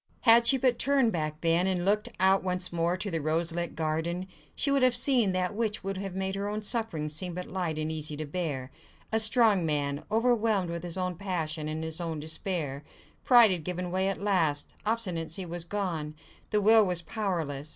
Had she but turned back then, and looked out once more on to the rose lit garden, she would have seen that which would have made her own sufferings seem but light and easy to bear—a strong man, overwhelmed with his own passion and his own despair. Pride had given way at last, obstinacy was gone: the will was powerless.